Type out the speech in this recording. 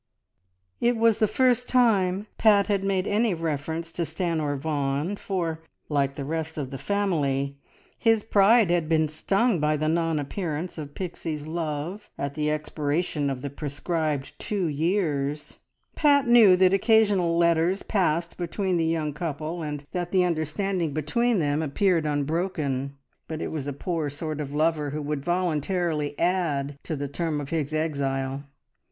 It was the first time Pat had made any reference to Stanor Vaughan, for, like the rest of the family, his pride had been stung by the non appearance of Pixie's love, at the expiration of the prescribed two years. Pat knew that occasional letters passed between the young couple, and that the understanding between them appeared unbroken, but it was a poor sort of lover who would voluntarily add to the term of his exile.